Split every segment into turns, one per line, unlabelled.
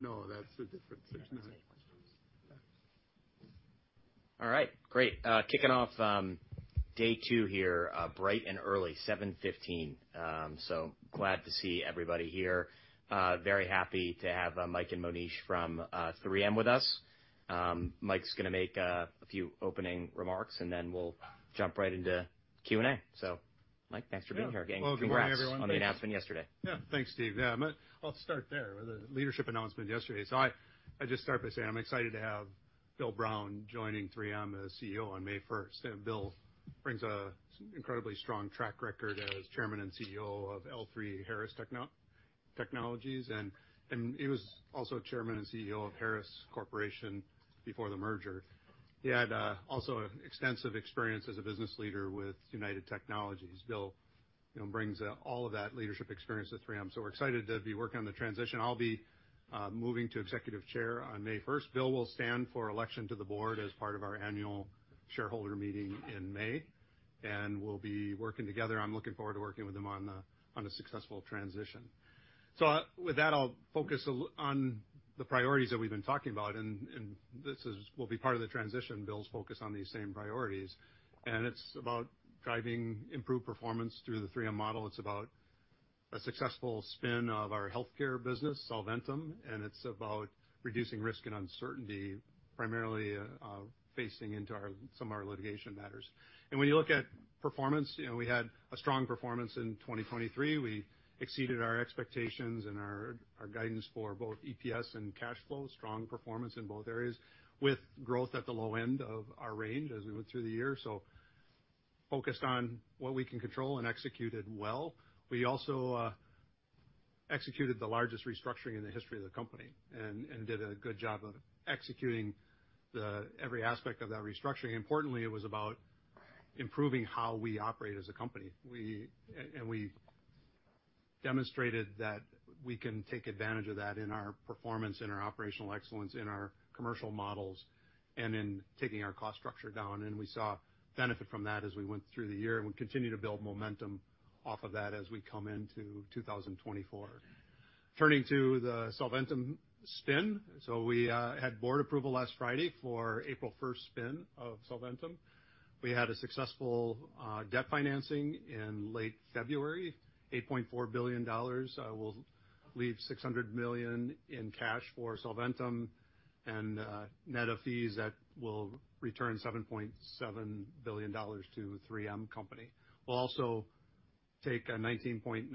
No, that's the difference. There's not any questions.
All right, great. Kicking off day two here, bright and early 7:15 A.M. So glad to see everybody here. Very happy to have Mike and Monish from 3M with us. Mike's gonna make a few opening remarks, and then we'll jump right into Q&A. So Mike, thanks for being here, again.
Welcome, Good morning, everyone.
Congrats on the announcement yesterday.
Yeah, thanks, Steve. Yeah, I'm gonna. I'll start there with the leadership announcement yesterday. So I just start by saying I'm excited to have Bill Brown joining 3M as CEO on May 1st. And Bill brings an incredibly strong track record as Chairman and CEO of L3Harris Technologies, and he was also Chairman and CEO of Harris Corporation before the merger. He had also extensive experience as a business leader with United Technologies. Bill, you know, brings all of that leadership experience to 3M, so we're excited to be working on the transition. I'll be moving to Executive Chair on May 1st. Bill will stand for election to the board as part of our annual shareholder meeting in May, and we'll be working together. I'm looking forward to working with him on a successful transition. So, with that, I'll focus on the priorities that we've been talking about, and this will be part of the transition. Bill's focused on these same priorities, and it's about driving improved performance through the 3M model. It's about a successful spin of our healthcare business, Solventum, and it's about reducing risk and uncertainty, primarily facing into some of our litigation matters. And when you look at performance, you know, we had a strong performance in 2023. We exceeded our expectations and our guidance for both EPS and cash flow. Strong performance in both areas, with growth at the low end of our range as we went through the year, so focused on what we can control and executed well. We also executed the largest restructuring in the history of the company and did a good job of executing every aspect of that restructuring. Importantly, it was about improving how we operate as a company. And we demonstrated that we can take advantage of that in our performance, in our operational excellence, in our commercial models, and in taking our cost structure down, and we saw benefit from that as we went through the year. We continue to build momentum off of that as we come into 2024. Turning to the Solventum spin, so we had board approval last Friday for April 1st spin of Solventum. We had a successful debt financing in late February, $8.4 billion. We'll leave $600 million in cash for Solventum, and net of fees, that will return $7.7 billion to 3M Company. We'll also take a 19.9%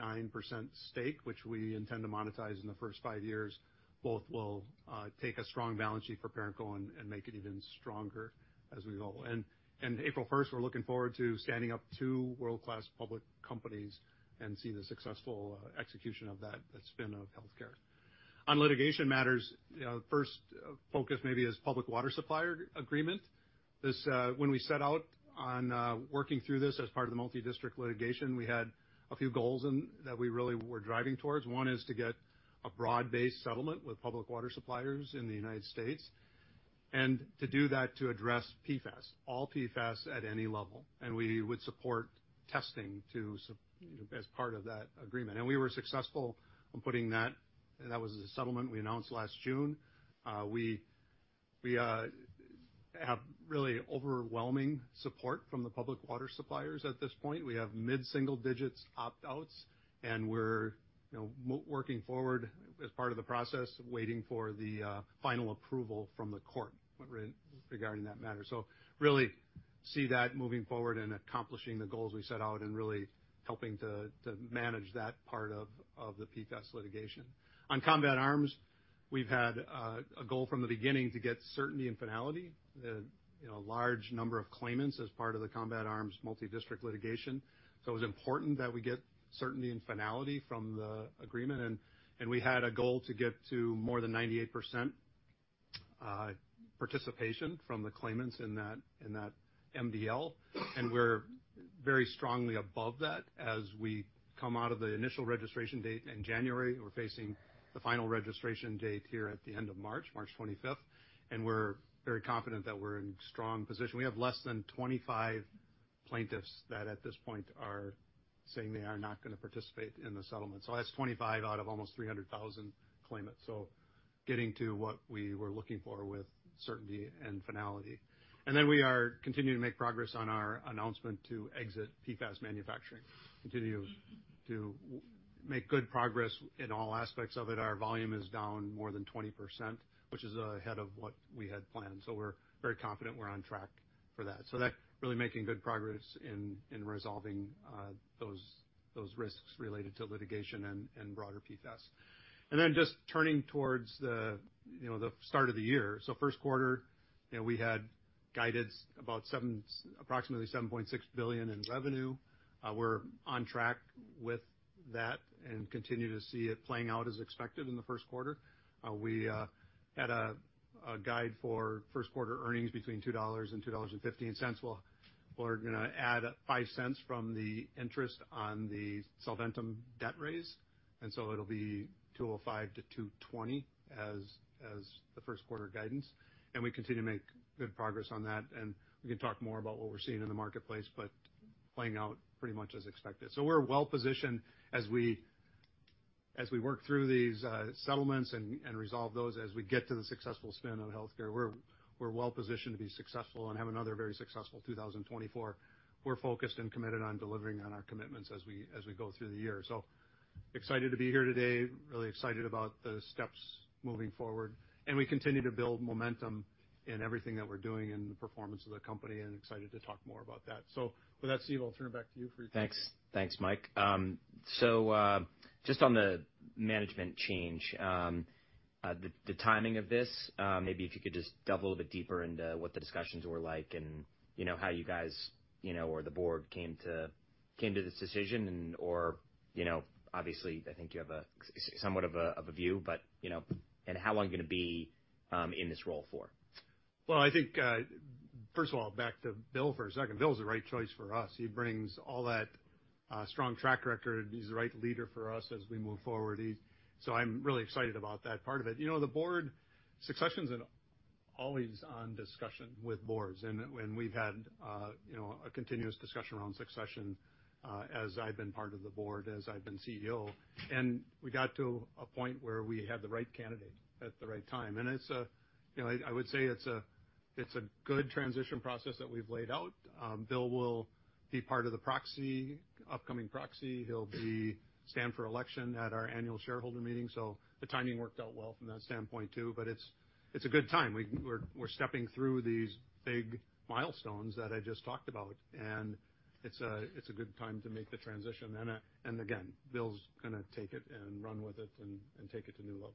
stake, which we intend to monetize in the first five years. Both will take a strong balance sheet for ParentCo and make it even stronger as we go. April 1st, we're looking forward to standing up two world-class public companies and seeing the successful execution of that spin of healthcare. On litigation matters, you know, the first focus maybe is public water supplier agreement. This, when we set out on working through this as part of the multidistrict litigation, we had a few goals and that we really were driving towards. One is to get a broad-based settlement with public water suppliers in the United States, and to do that, to address PFAS, all PFAS at any level, and we would support testing as part of that agreement. We were successful on putting that, that was the settlement we announced last June. We have really overwhelming support from the public water suppliers at this point. We have mid-single digits opt-outs, and we're, you know, working forward as part of the process, waiting for the final approval from the court regarding that matter. So really see that moving forward and accomplishing the goals we set out, and really helping to manage that part of the PFAS litigation. On Combat Arms, we've had a goal from the beginning to get certainty and finality. You know, a large number of claimants as part of the Combat Arms Multidistrict Litigation, so it was important that we get certainty and finality from the agreement, and we had a goal to get to more than 98% participation from the claimants in that MDL. We're very strongly above that as we come out of the initial registration date in January. We're facing the final registration date here at the end of March, March 25th, and we're very confident that we're in strong position. We have less than 25 plaintiffs that, at this point, are saying they are not gonna participate in the settlement, so that's 25 out of almost 300,000 claimants, so getting to what we were looking for with certainty and finality. Then we are continuing to make progress on our announcement to exit PFAS manufacturing. Continue to make good progress in all aspects of it. Our volume is down more than 20%, which is ahead of what we had planned, so we're very confident we're on track for that. So that, really making good progress in resolving those risks related to litigation and broader PFAS. And then just turning towards the, you know, the start of the year. So first quarter, you know, we had guided about seven, approximately $7.6 billion in revenue. We're on track with that and continue to see it playing out as expected in the first quarter. We had a guide for first quarter earnings between $2 and $2.15. Well, we're gonna add $0.05 from the interest on the Solventum debt raise, and so it'll be $2.05-$2.20 as the first quarter guidance, and we continue to make good progress on that. And we can talk more about what we're seeing in the marketplace, but playing out pretty much as expected. So we're well positioned as we work through these settlements and resolve those as we get to the successful spin on healthcare. We're well positioned to be successful and have another very successful 2024. We're focused and committed on delivering on our commitments as we go through the year. So excited to be here today, really excited about the steps moving forward, and we continue to build momentum in everything that we're doing in the performance of the company and excited to talk more about that. So with that, Steve, I'll turn it back to you for your-
Thanks. Thanks, Mike. So, just on the management change, the timing of this, maybe if you could just dive a little bit deeper into what the discussions were like and, you know, how you guys, you know, or the board came to this decision and or, you know, obviously, I think you have a somewhat of a view, but, you know, and how long you gonna be in this role for?
Well, I think, first of all, back to Bill for a second. Bill's the right choice for us. He brings all that strong track record. He's the right leader for us as we move forward. So I'm really excited about that part of it. You know, the board successions are always on discussion with boards, and we've had, you know, a continuous discussion around succession, as I've been part of the board, as I've been CEO. And we got to a point where we had the right candidate at the right time. And it's a, you know, I would say it's a good transition process that we've laid out. Bill will be part of the upcoming proxy. He'll stand for election at our annual shareholder meeting, so the timing worked out well from that standpoint, too. But it's a good time. We're stepping through these big milestones that I just talked about, and it's a good time to make the transition. And again, Bill's gonna take it and run with it and take it to new levels.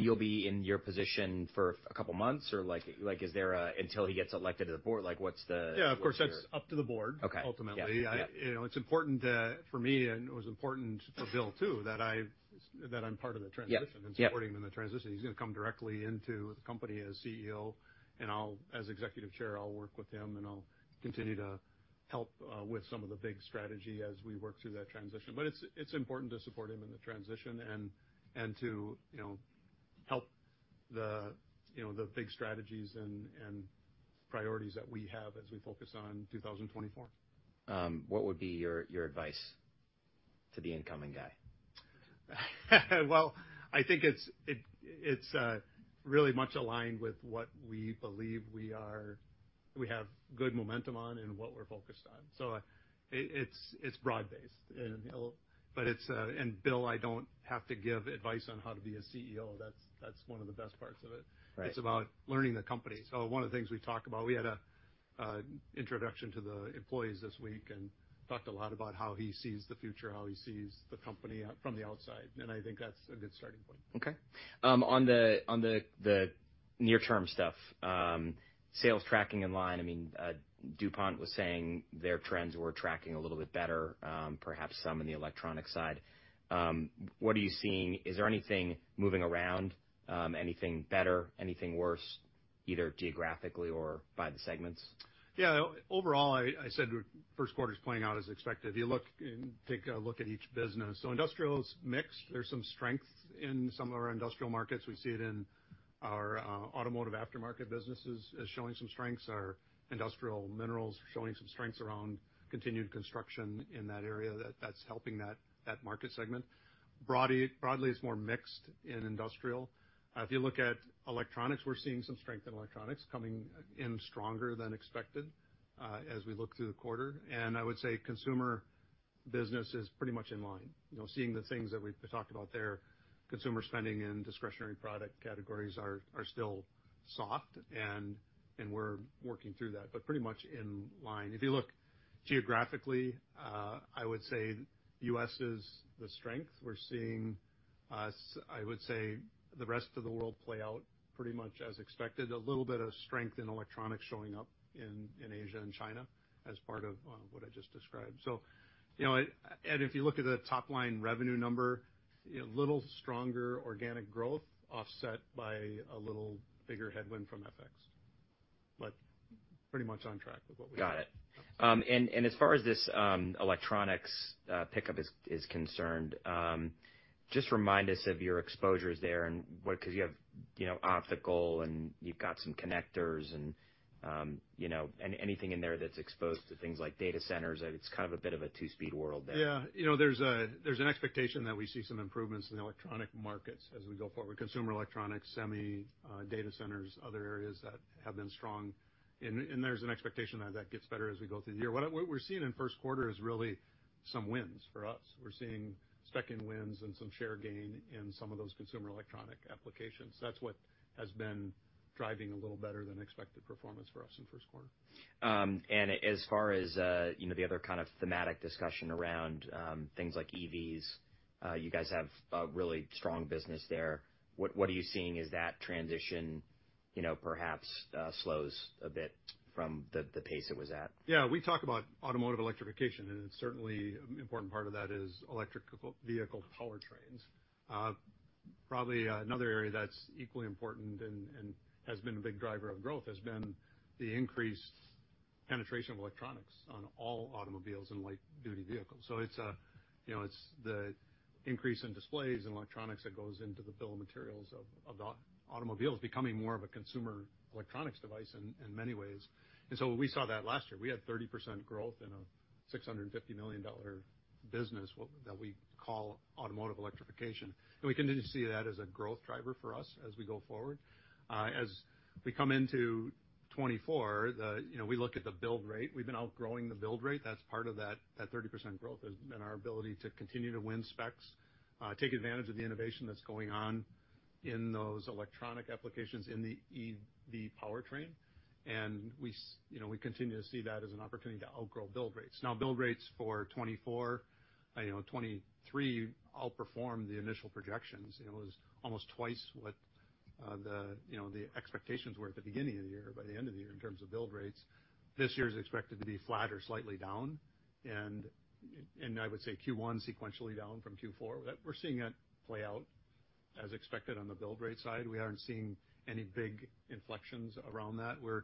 You'll be in your position for a couple of months or like, like is there a, until he gets elected to the board, like, what's the-
Yeah, of course, that's up to the board-
Okay.
- ultimately.
Yeah.
You know, it's important for me, and it was important for Bill, too, that I'm part of the transition-
Yep, yep.
and supporting him in the transition. He's gonna come directly into the company as CEO, and I'll, as executive chair, work with him, and I'll continue to help with some of the big strategy as we work through that transition. But it's important to support him in the transition and to, you know, help the, you know, the big strategies and priorities that we have as we focus on 2024.
What would be your advice to the incoming guy?
Well, I think it's really much aligned with what we believe we have good momentum on and what we're focused on. So it's broad-based, and it'll... But it's, and Bill, I don't have to give advice on how to be a CEO. That's one of the best parts of it.
Right.
It's about learning the company. So one of the things we talked about, we had an introduction to the employees this week and talked a lot about how he sees the future, how he sees the company out from the outside, and I think that's a good starting point.
Okay. On the near-term stuff, sales tracking in line, I mean, DuPont was saying their trends were tracking a little bit better, perhaps some in the electronic side. What are you seeing? Is there anything moving around, anything better, anything worse, either geographically or by the segments?
Yeah. Overall, I, I said first quarter is playing out as expected. You look and take a look at each business. So industrial is mixed. There's some strength in some of our industrial markets. We see it in our automotive aftermarket businesses as showing some strengths, our industrial minerals showing some strengths around continued construction in that area, that's helping that, that market segment. Broadly, broadly, it's more mixed in industrial. If you look at electronics, we're seeing some strength in electronics coming in stronger than expected, as we look through the quarter. And I would say consumer business is pretty much in line. You know, seeing the things that we've talked about there, consumer spending in discretionary product categories are, are still soft, and, and we're working through that, but pretty much in line. If you look geographically, I would say U.S. is the strength. We're seeing us, I would say, the rest of the world play out pretty much as expected. A little bit of strength in electronics showing up in Asia and China as part of what I just described. So, you know, and if you look at the top-line revenue number, a little stronger organic growth, offset by a little bigger headwind from FX, but pretty much on track with what we...
Got it. And as far as this electronics pickup is concerned, just remind us of your exposures there and what-- 'cause you have, you know, optical, and you've got some connectors and, you know, anything in there that's exposed to things like data centers, it's kind of a bit of a two-speed world there.
Yeah. You know, there's an expectation that we see some improvements in the electronic markets as we go forward. Consumer electronics, semi, data centers, other areas that have been strong, and there's an expectation that gets better as we go through the year. What we're seeing in first quarter is really some wins for us. We're seeing spec-in wins and some share gain in some of those consumer electronic applications. That's what has been driving a little better than expected performance for us in first quarter.
And as far as, you know, the other kind of thematic discussion around things like EVs, you guys have a really strong business there. What are you seeing as that transition, you know, perhaps slows a bit from the pace it was at?
Yeah, we talk about Automotive Electrification, and it's certainly an important part of that is electric vehicle powertrains. Probably, another area that's equally important and has been a big driver of growth, has been the increased penetration of electronics on all automobiles and light-duty vehicles. So it's a, you know, it's the increase in displays and electronics that goes into the bill of materials of the automobile is becoming more of a consumer electronics device in many ways. And so we saw that last year. We had 30% growth in a $650 million business that we call Automotive Electrification. And we continue to see that as a growth driver for us as we go forward. As we come into 2024, you know, we look at the build rate. We've been outgrowing the build rate. That's part of that, that 30% growth has been our ability to continue to win specs, take advantage of the innovation that's going on in those electronic applications in the EV powertrain, and we, you know, we continue to see that as an opportunity to outgrow build rates. Now, build rates for 2024, you know, 2023 outperformed the initial projections. It was almost twice what the expectations were at the beginning of the year, by the end of the year, in terms of build rates. This year is expected to be flat or slightly down, and I would say Q1 sequentially down from Q4. We're seeing it play out as expected on the build rate side. We aren't seeing any big inflections around that. We're,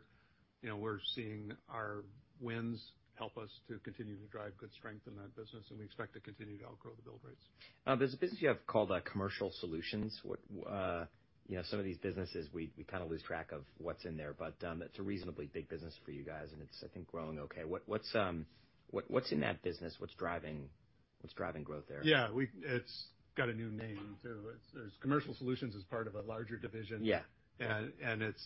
you know, we're seeing our wins help us to continue to drive good strength in that business, and we expect to continue to outgrow the build rates.
Now, there's a business you have called Commercial Solutions. What, you know, some of these businesses, we kind of lose track of what's in there, but it's a reasonably big business for you guys, and it's, I think, growing okay. What's in that business? What's driving growth there?
Yeah, it's got a new name, too. It's, there's Commercial Solutions is part of a larger division.
Yeah.
There's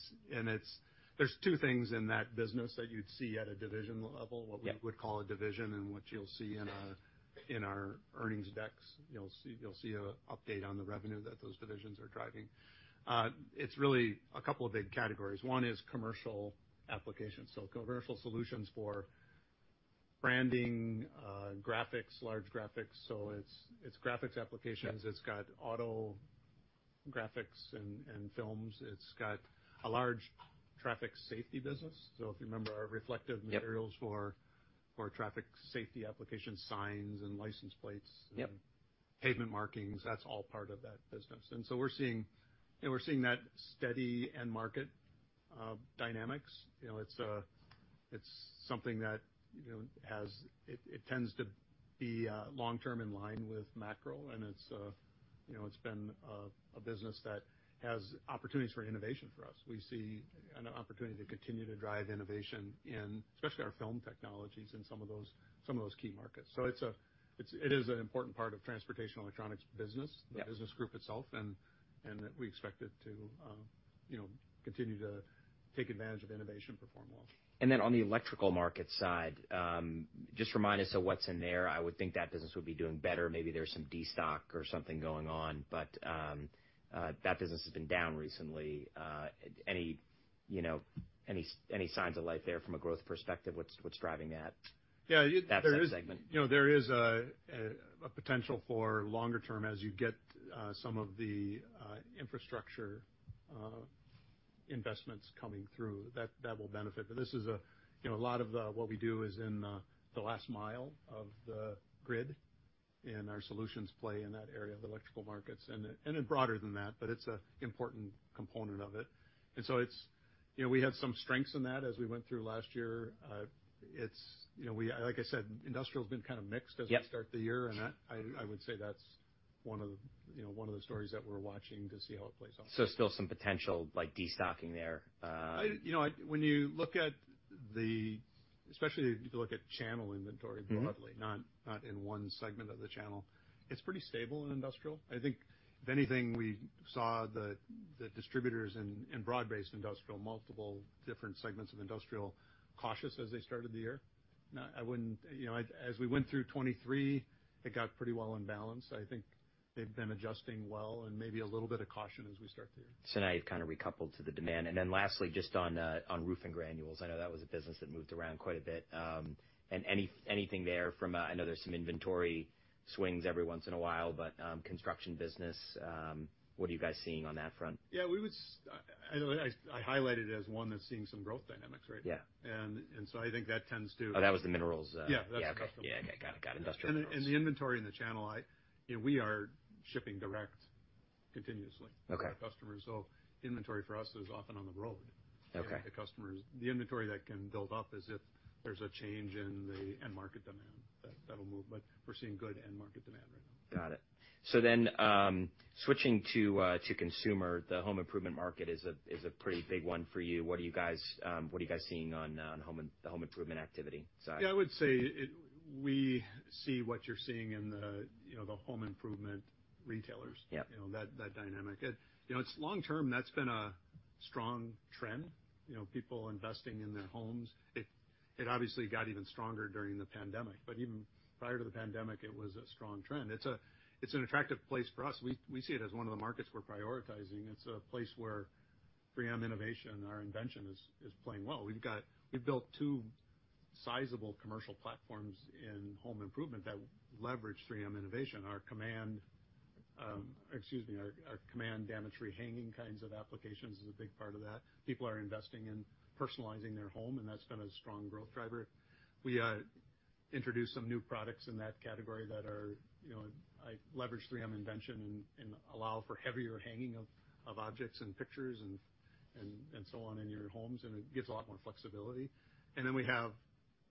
two things in that business that you'd see at a division level.
Yeah.
What we would call a division, and what you'll see in, in our earnings decks. You'll see, you'll see a update on the revenue that those divisions are driving. It's really a couple of big categories. One is commercial applications, so commercial solutions for branding, graphics, large graphics, so it's, it's graphics applications.
Yeah.
It's got auto graphics and films. It's got a large traffic safety business, so if you remember our reflective-
Yep
materials for traffic safety application signs and license plates
Yep
and pavement markings, that's all part of that business. And so we're seeing, you know, we're seeing that steady end market dynamics. You know, it's, it's something that, you know, has it, it tends to be, long-term in line with macro, and it's, you know, it's been a, a business that has opportunities for innovation for us. We see an opportunity to continue to drive innovation in especially our film technologies in some of those, some of those key markets. So it's a, it's, it is an important part of Transportation Electronics business.
Yeah
the business group itself, and we expect it to, you know, continue to take advantage of innovation and perform well.
And then on the electrical market side, just remind us of what's in there. I would think that business would be doing better. Maybe there's some destock or something going on, but that business has been down recently. Any, you know, signs of life there from a growth perspective? What's driving that-
Yeah, there is-
-that segment?
You know, there is a potential for longer term as you get some of the infrastructure investments coming through, that will benefit. But this is, you know, a lot of what we do is in the last mile of the grid, and our solutions play in that area of electrical markets, and then broader than that, but it's an important component of it. And so it's. You know, we had some strengths in that as we went through last year. It's, you know, we, like I said, industrial's been kind of mixed.
Yep
As we start the year, and that, I would say that's one of the, you know, one of the stories that we're watching to see how it plays out.
Still some potential, like, destocking there.
You know, when you look at the, especially, if you look at channel inventory-
Mm-hmm
Broadly, not in one segment of the channel, it's pretty stable in industrial. I think, if anything, we saw the distributors in broad-based industrial, multiple different segments of industrial, cautious as they started the year. Now, I wouldn't... You know, as we went through 2023, it got pretty well in balance. I think they've been adjusting well and maybe a little bit of caution as we start the year.
So now you've kind of recoupled to the demand. And then lastly, just on, on roofing granules. I know that was a business that moved around quite a bit. And anything there from, I know there's some inventory swings every once in a while, but, construction business, what are you guys seeing on that front?
Yeah, we would highlight it as one that's seeing some growth dynamics right now.
Yeah.
So I think that tends to-
Oh, that was the minerals.
Yeah, that's the customers.
Yeah. Okay. Got it. Got it, industrial.
The inventory in the channel, I—you know, we are shipping direct continuously-
Okay
to customers, so inventory for us is often on the road.
Okay.
The customers, the inventory that can build up is if there's a change in the end market demand, that, that'll move, but we're seeing good end market demand right now.
Got it. So then, switching to consumer, the home improvement market is a pretty big one for you. What are you guys seeing on the home improvement activity side?
Yeah, I would say it, we see what you're seeing in the, you know, the home improvement retailers.
Yep.
You know, that, that dynamic. It, you know, it's long term, that's been a strong trend, you know, people investing in their homes. It, it obviously got even stronger during the pandemic, but even prior to the pandemic, it was a strong trend. It's a, it's an attractive place for us. We, we see it as one of the markets we're prioritizing. It's a place where 3M innovation, our invention is, is playing well. We've built two sizable commercial platforms in home improvement that leverage 3M innovation. Our Command, excuse me, our Command damage-free hanging kinds of applications is a big part of that. People are investing in personalizing their home, and that's been a strong growth driver. We... introduce some new products in that category that are, you know, I leverage 3M invention and allow for heavier hanging of objects and pictures and so on in your homes, and it gives a lot more flexibility. And then we have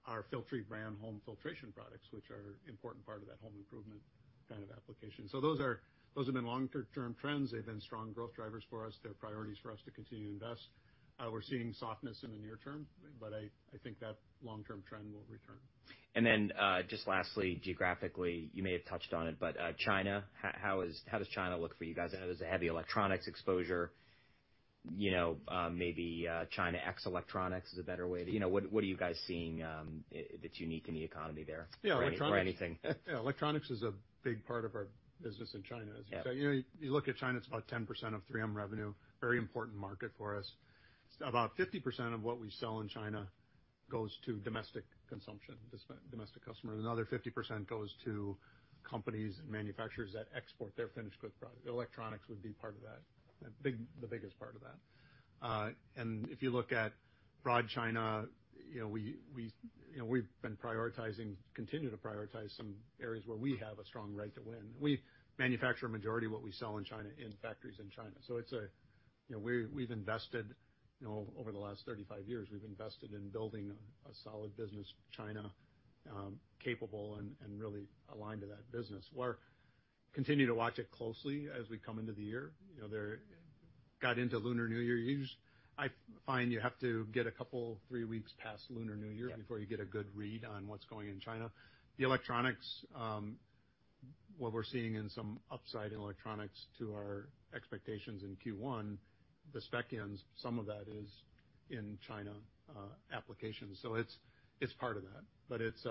our Filtrete brand home filtration products, which are an important part of that home improvement kind of application. So those have been long-term trends. They've been strong growth drivers for us. They're priorities for us to continue to invest. We're seeing softness in the near term, but I think that long-term trend will return.
And then, just lastly, geographically, you may have touched on it, but, China, how does China look for you guys? I know there's a heavy electronics exposure, you know, maybe, China ex-electronics is a better way to... You know, what are you guys seeing, that's unique in the economy there?
Yeah, electronics-
Or anything?
Yeah, electronics is a big part of our business in China, as you say.
Yeah.
You know, you look at China, it's about 10% of 3M revenue, very important market for us. About 50% of what we sell in China goes to domestic consumption, domestic customers. Another 50% goes to companies and manufacturers that export their finished goods product. Electronics would be part of that, the biggest part of that. And if you look at broad China, you know, we, you know, we've been prioritizing, continue to prioritize some areas where we have a strong right to win. We manufacture a majority of what we sell in China, in factories in China. So it's a... You know, we, we've invested, you know, over the last 35 years, we've invested in building a solid business, China, capable and, and really aligned to that business. We're continue to watch it closely as we come into the year. You know, they get into Lunar New Year. You just, I find you have to get a couple, 3 weeks past Lunar New Year.
Yeah...
before you get a good read on what's going in China. The electronics, what we're seeing in some upside in electronics to our expectations in Q1, the spec-ins, some of that is in China, applications. So it's, it's part of that, but it's,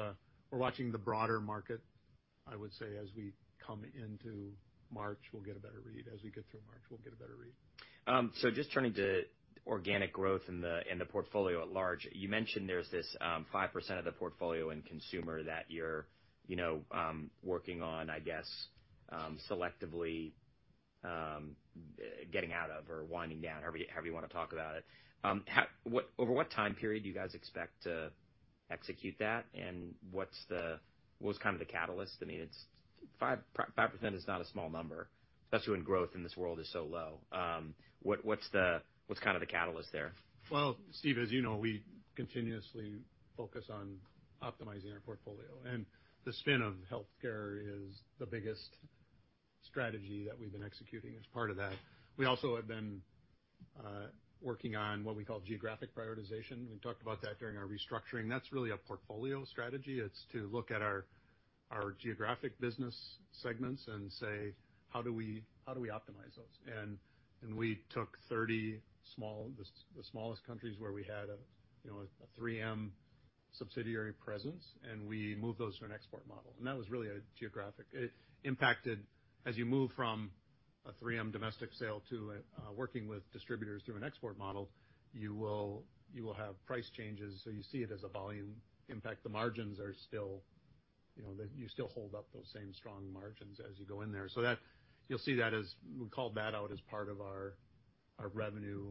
we're watching the broader market, I would say, as we come into March, we'll get a better read. As we get through March, we'll get a better read.
So just turning to organic growth in the portfolio at large, you mentioned there's this 5% of the portfolio in consumer that you're, you know, working on, I guess, selectively getting out of or winding down, however you, however you wanna talk about it. How over what time period do you guys expect to execute that? And what's the, what's kind of the catalyst? I mean, it's 5%, 5% is not a small number, especially when growth in this world is so low. What, what's the, what's kind of the catalyst there?
Well, Steve, as you know, we continuously focus on optimizing our portfolio, and the spin of healthcare is the biggest strategy that we've been executing as part of that. We also have been working on what we call geographic prioritization. We talked about that during our restructuring. That's really a portfolio strategy. It's to look at our geographic business segments and say: How do we optimize those? And we took 30 smallest countries where we had a, you know, a 3M subsidiary presence, and we moved those to an export model, and that was really a geographic. It impacted as you move from a 3M domestic sale to working with distributors through an export model, you will have price changes, so you see it as a volume impact. The margins are still, you know, that you still hold up those same strong margins as you go in there. So that, you'll see that as we called that out as part of our revenue,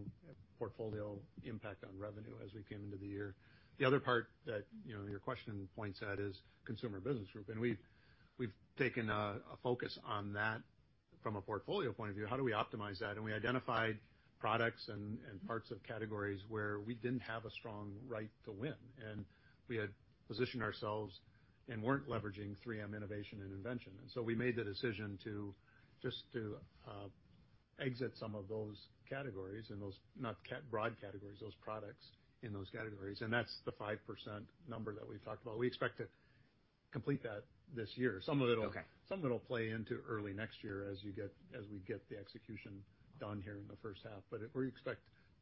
portfolio impact on revenue as we came into the year. The other part that, you know, your question points at is Consumer Business Group, and we've taken a focus on that from a portfolio point of view. How do we optimize that? And we identified products and parts of categories where we didn't have a strong right to win, and we had positioned ourselves and weren't leveraging 3M innovation and invention. And so we made the decision to just to exit some of those categories and those, not broad categories, those products in those categories, and that's the 5% number that we've talked about. We expect to complete that this year.
Okay.
Some of it'll, some of it'll play into early next year as we get the execution done here in the first half. But we expect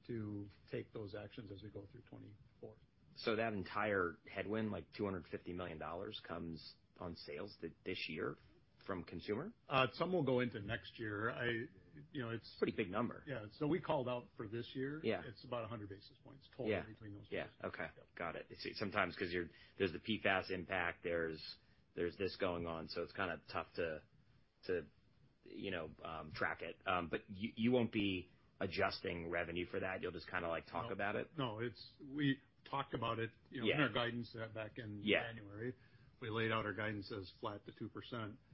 to take those actions as we go through 2024.
So that entire headwind, like $250 million, comes on sales this year from consumer?
Some will go into next year. I... you know, it's-
Pretty big number.
Yeah. So we called out for this year.
Yeah.
It's about 100 basis points total-
Yeah
-between those two.
Yeah. Okay.
Yeah.
Got it. Sometimes, 'cause you're, there's the PFAS impact, this going on, so it's kind of tough to track it. But you won't be adjusting revenue for that? You'll just kind of, like, talk about it?
No, it's. We talked about it, you know-
Yeah...
in our guidance back in January.
Yeah.
We laid out our guidance as flat to 2%.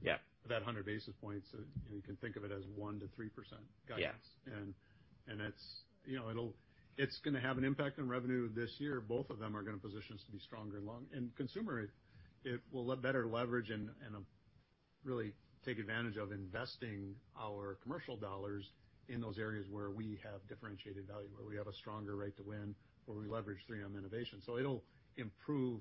Yeah.
About 100 basis points, you can think of it as 1%-3% guidance.
Yeah.
And it's, you know, it'll have an impact on revenue this year. Both of them are gonna position us to be stronger and long. In consumer, it will better leverage and really take advantage of investing our commercial dollars in those areas where we have differentiated value, where we have a stronger right to win, where we leverage 3M innovation. So it'll improve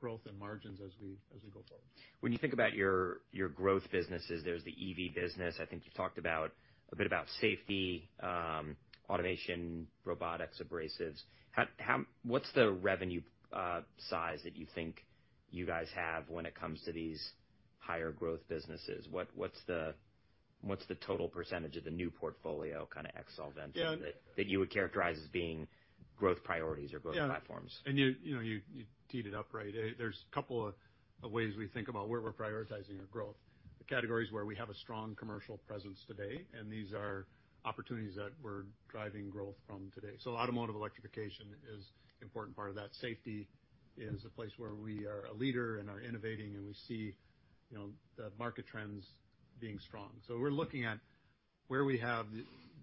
growth and margins as we go forward.
When you think about your growth businesses, there's the EV business. I think you've talked about a bit about safety, automation, robotics, abrasives. What's the revenue size that you think you guys have when it comes to these higher growth businesses? What's the total percentage of the new portfolio, kind of ex Solventum-
Yeah
that you would characterize as being growth priorities or growth platforms?
Yeah. And you know, you teed it up, right? There's a couple of ways we think about where we're prioritizing our growth.... the categories where we have a strong commercial presence today, and these are opportunities that we're driving growth from today. So automotive electrification is an important part of that. Safety is a place where we are a leader and are innovating, and we see, you know, the market trends being strong. So we're looking at where we have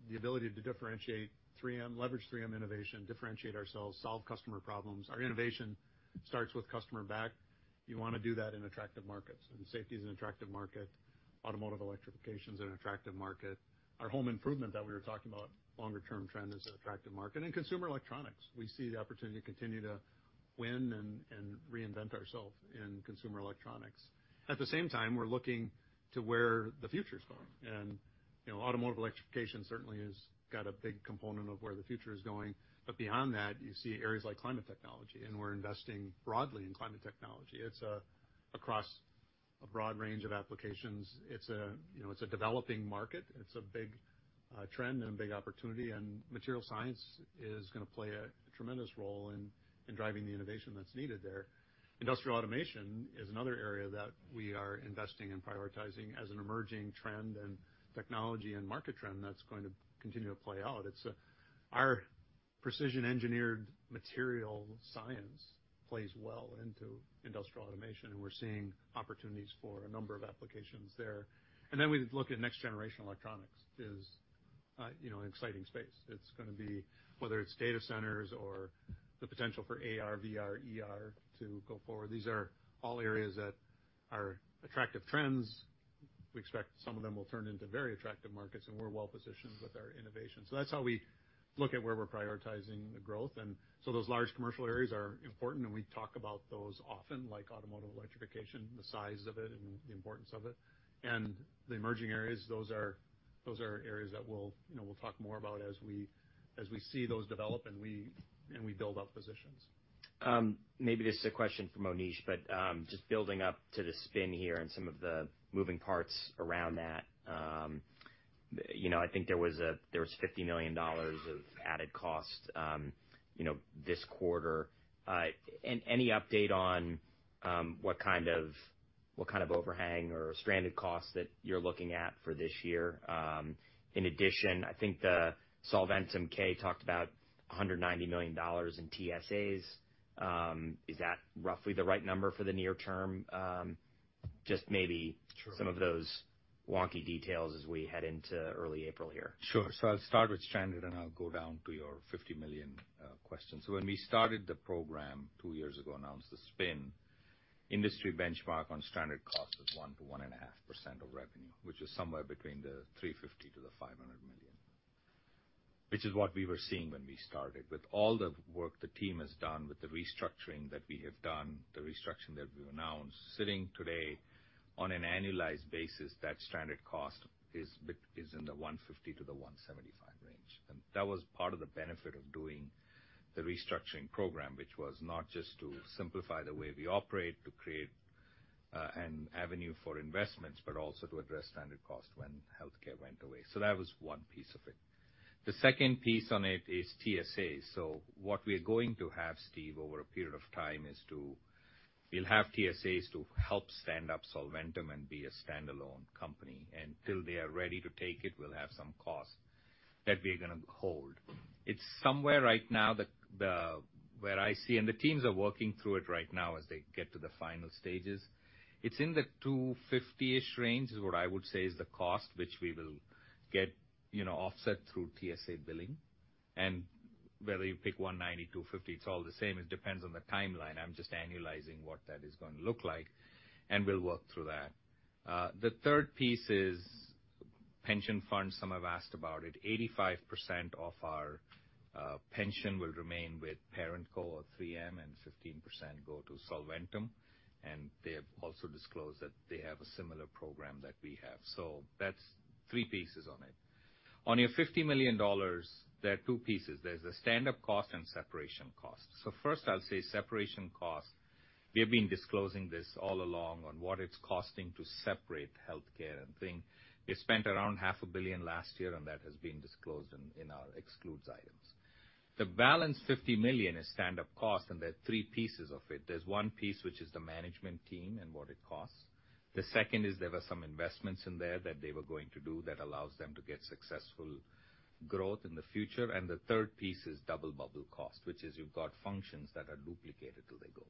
the ability to differentiate 3M, leverage 3M innovation, differentiate ourselves, solve customer problems. Our innovation starts with customer back. You want to do that in attractive markets, and safety is an attractive market. Automotive electrification is an attractive market. Our home improvement that we were talking about, longer-term trend, is an attractive market. Consumer electronics, we see the opportunity to continue to win and reinvent ourselves in consumer electronics. At the same time, we're looking to where the future is going. You know, automotive electrification certainly has got a big component of where the future is going. But beyond that, you see areas like climate technology, and we're investing broadly in climate technology. It's across a broad range of applications. It's a, you know, it's a developing market. It's a big trend and a big opportunity, and material science is going to play a tremendous role in driving the innovation that's needed there. Industrial automation is another area that we are investing in prioritizing as an emerging trend and technology and market trend that's going to continue to play out. It's our precision engineered material science plays well into industrial automation, and we're seeing opportunities for a number of applications there. And then we look at next generation electronics is, you know, an exciting space. It's going to be, whether it's data centers or the potential for AR, VR, ER, to go forward, these are all areas that are attractive trends. We expect some of them will turn into very attractive markets, and we're well positioned with our innovation. So that's how we look at where we're prioritizing the growth. And so those large commercial areas are important, and we talk about those often, like automotive electrification, the size of it and the importance of it. And the emerging areas, those are areas that we'll, you know, we'll talk more about as we see those develop and we build out positions.
Maybe this is a question for Monish, but, just building up to the spin here and some of the moving parts around that, you know, I think there was there was $50 million of added cost, you know, this quarter. And any update on, what kind of, what kind of overhang or stranded costs that you're looking at for this year? In addition, I think the Solventum 10-K talked about $190 million in TSAs. Is that roughly the right number for the near term? Just maybe-
Sure.
some of those wonky details as we head into early April here.
Sure. So I'll start with stranded, and I'll go down to your $50 million question. So when we started the program two years ago, announced the spin, industry benchmark on stranded cost was 1%-1.5% of revenue, which is somewhere between the $350 million-$500 million, which is what we were seeing when we started. With all the work the team has done, with the restructuring that we have done, the restructuring that we've announced, sitting today on an annualized basis, that stranded cost is in the $150 million-$175 million range. And that was part of the benefit of doing the restructuring program, which was not just to simplify the way we operate, to create an avenue for investments, but also to address stranded cost when healthcare went away. So that was one piece of it. The second piece on it is TSAs. So what we are going to have, Steve, over a period of time, is to... We'll have TSAs to help stand up Solventum and be a standalone company, and till they are ready to take it, we'll have some costs that we are going to hold. It's somewhere right now, where I see, and the teams are working through it right now as they get to the final stages. It's in the 250-ish range, is what I would say is the cost, which we will get, you know, offset through TSA billing. And whether you pick 190, 250, it's all the same. It depends on the timeline. I'm just annualizing what that is going to look like, and we'll work through that. The third piece is pension funds. Some have asked about it. 85% of our pension will remain with ParentCo or 3M, and 15% go to Solventum, and they have also disclosed that they have a similar program that we have. So that's three pieces on it. On your $50 million, there are two pieces. There's a stand-up cost and separation cost. So first, I'll say separation cost. We have been disclosing this all along on what it's costing to separate healthcare and think. We spent around $500 million last year, and that has been disclosed in our excluded items. The balance $50 million is standup costs, and there are three pieces of it. There's one piece, which is the management team and what it costs. The second is there were some investments in there that they were going to do that allows them to get successful growth in the future. The third piece is double bubble cost, which is you've got functions that are duplicated till they go,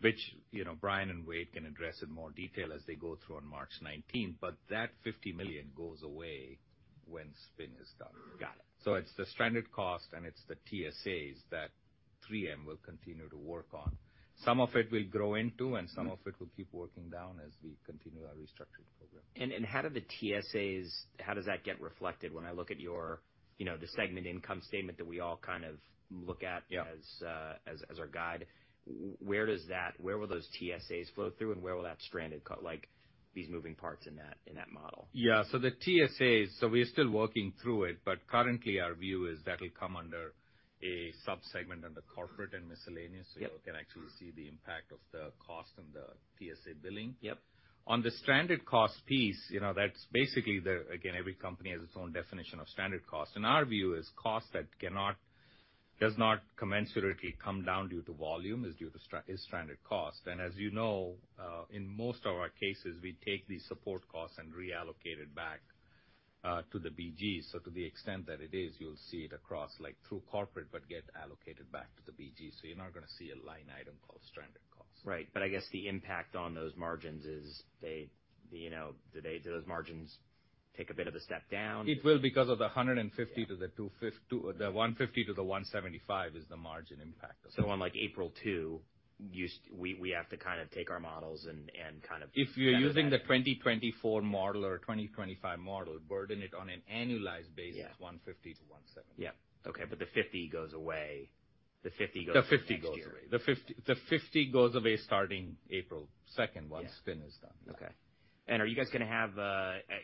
which, you know, Bryan and Wayde can address in more detail as they go through on March 19th, but that $50 million goes away when spin is done.
Got it.
So it's the stranded cost, and it's the TSAs that 3M will continue to work on. Some of it will grow into, and some of it will keep working down as we continue our restructuring program.
And how do the TSAs, how does that get reflected when I look at your, you know, the segment income statement that we all kind of look at?
Yeah.
As our guide? Where does that, where will those TSAs flow through, and where will that stranded costs, like, these moving parts in that model?
Yeah. So the TSAs, so we are still working through it, but currently, our view is that'll come under a subsegment under corporate and miscellaneous-
Yep.
So you can actually see the impact of the cost and the TSA billing.
Yep.
On the stranded cost piece, you know, that's basically the, again, every company has its own definition of stranded cost. In our view, is cost that does not commensurately come down due to volume, is due to it's stranded cost. And as you know, in most of our cases, we take these support costs and reallocate it back to the BGs. So to the extent that it is, you'll see it across, like, through corporate, but get allocated back to the BG. So you're not gonna see a line item called stranded cost.
Right. But I guess the impact on those margins is they, you know, do they, do those margins take a bit of a step down?
It will because of the $150 million- to the $150 million-$175 million is the margin impact of it.
So on, like, April 2, we have to kind of take our models and kind of-
If you're using the 2024 model or 2025 model, burden it on an annualized basis-
Yeah.
$150 million-$175 million
Yeah. Okay, but the $50 goes away. The $50 goes away next year.
The $50 million goes away. The 50, the $50 million goes away starting April 2nd-
Yeah.
Once spin is done.
Okay. And are you guys gonna have?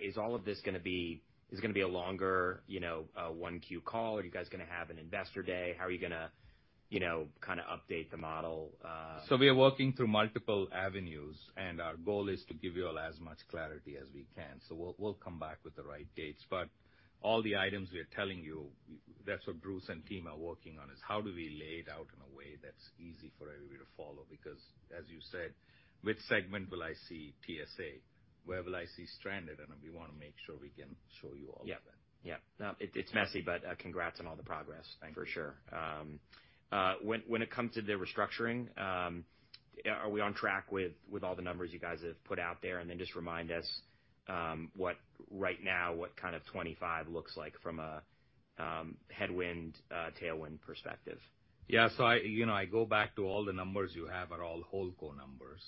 Is all of this gonna be, is gonna be a longer, you know, 1Q call? Are you guys gonna have an investor day? How are you gonna, you know, kind of update the model?
So we are working through multiple avenues, and our goal is to give you all as much clarity as we can. So we'll come back with the right dates. But all the items we are telling you, that's what Bruce and team are working on, is how do we lay it out in a way that's easy for everybody to follow? Because, as you said, which segment will I see TSA? Where will I see stranded? And we wanna make sure we can show you all of that.
Yeah, yeah. No, it, it's messy, but, congrats on all the progress.
Thank you.
For sure. When it comes to the restructuring, are we on track with all the numbers you guys have put out there? And then just remind us what right now what kind of 2025 looks like from a headwind, tailwind perspective.
Yeah, so I, you know, I go back to all the numbers you have are all WholeCo numbers,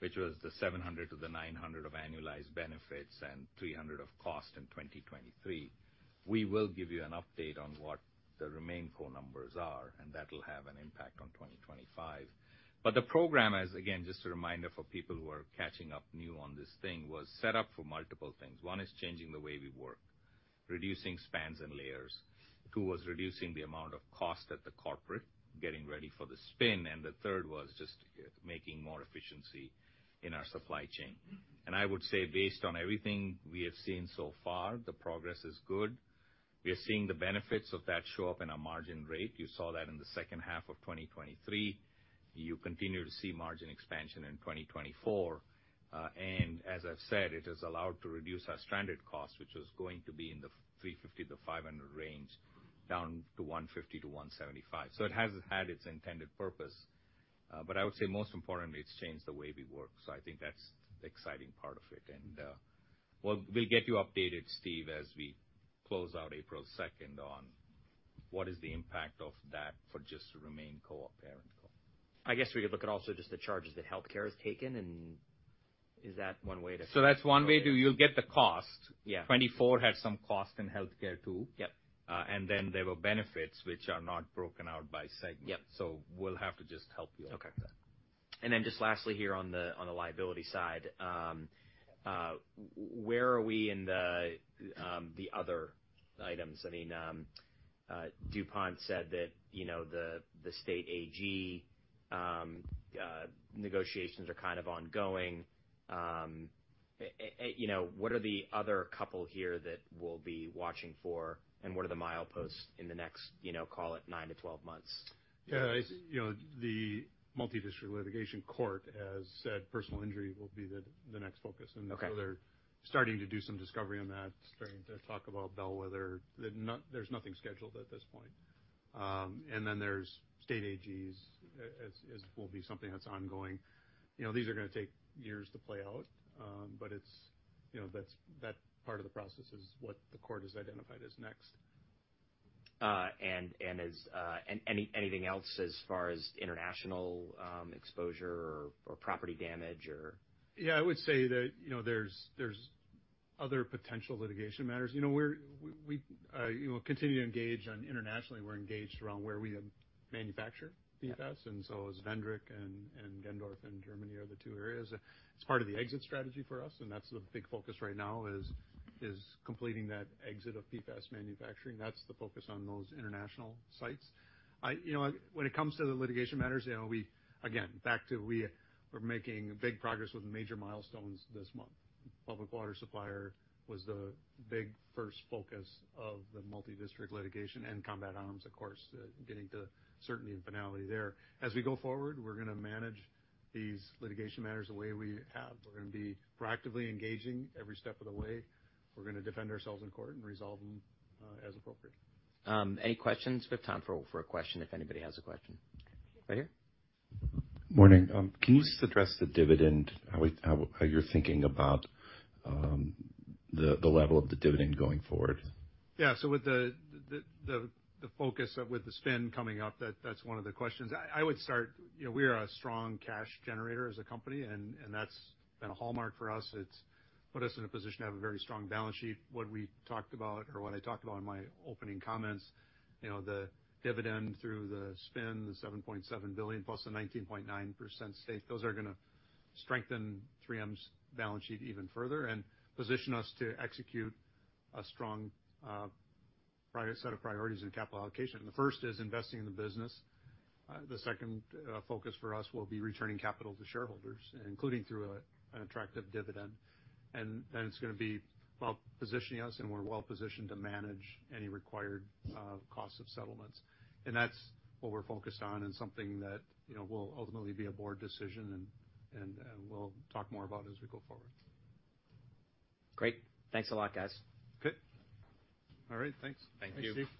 which was the $700 million-$900 million of annualized benefits and $300 million of cost in 2023. We will give you an update on what the RemainCo numbers are, and that will have an impact on 2025. But the program, as again, just a reminder for people who are catching up new on this thing, was set up for multiple things. One is changing the way we work, reducing spans and layers. Two, was reducing the amount of cost at the corporate, getting ready for the spin, and the third was just making more efficiency in our supply chain. And I would say, based on everything we have seen so far, the progress is good. We are seeing the benefits of that show up in our margin rate. You saw that in the second half of 2023. You continue to see margin expansion in 2024, and as I've said, it has allowed to reduce our stranded cost, which is going to be in the $350 million-$500 million range, down to $150 million-$175 million. So it has had its intended purpose, but I would say most importantly, it's changed the way we work. So I think that's the exciting part of it. And, we'll, we'll get you updated, Steve, as we close out April 2nd, on what is the impact of that for just the RemainCo or ParentCo.
I guess we could look at also just the charges that healthcare has taken. Is that one way to-
So that's one way to... You'll get the cost.
Yeah.
2024 had some cost in healthcare, too.
Yep.
There were benefits which are not broken out by segment.
Yep.
We'll have to just help you out with that.
Okay. And then just lastly, here on the liability side, where are we in the other items? I mean, DuPont said that, you know, the state AG negotiations are kind of ongoing. You know, what are the other couple here that we'll be watching for, and what are the mileposts in the next, you know, call it nine to 12 months?
Yeah. You know, the Multidistrict Litigation court has said personal injury will be the next focus.
Okay.
So they're starting to do some discovery on that, starting to talk about bellwether. There's nothing scheduled at this point. And then there's state AGs, as will be something that's ongoing. You know, these are gonna take years to play out, but it's, you know, that's, that part of the process is what the court has identified as next.
And anything else as far as international exposure or property damage or?
Yeah, I would say that, you know, there's other potential litigation matters. You know, we continue to engage on internationally, we're engaged around where we manufacture PFAS.
Yeah.
And so Zwijndrecht and Gendorf in Germany are the two areas. It's part of the exit strategy for us, and that's the big focus right now, is completing that exit of PFAS manufacturing. That's the focus on those international sites. You know, when it comes to the litigation matters, you know, we again back to we are making big progress with major milestones this month. Public water supplier was the big first focus of the Multidistrict Litigation and Combat Arms, of course, getting to certainty and finality there. As we go forward, we're gonna manage these litigation matters the way we have. We're gonna be proactively engaging every step of the way. We're gonna defend ourselves in court and resolve them as appropriate.
Any questions? We have time for a question, if anybody has a question. Right here.
Morning. Can you just address the dividend, how you're thinking about the level of the dividend going forward?
Yeah. So with the focus with the spin coming up, that's one of the questions. I would start, you know, we are a strong cash generator as a company, and that's been a hallmark for us. It's put us in a position to have a very strong balance sheet. What we talked about or what I talked about in my opening comments, you know, the dividend through the spin, the $7.7 billion+ the 19.9% stake, those are gonna strengthen 3M's balance sheet even further and position us to execute a strong prioritized set of priorities in capital allocation. The first is investing in the business. The second focus for us will be returning capital to shareholders, including through an attractive dividend. And then, it's gonna be well-positioning us, and we're well-positioned to manage any required costs of settlements. And that's what we're focused on and something that, you know, will ultimately be a Board decision, and we'll talk more about as we go forward.
Great. Thanks a lot, guys.
Good. All right, thanks.
Thank you.
Thanks, Steve.